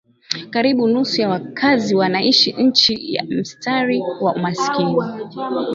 Karibu nusu ya wakazi wanaishi chini ya mstari wa umaskini